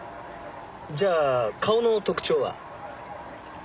じゃあ顔の特徴は？